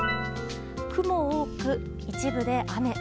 雲多く、一部で雨。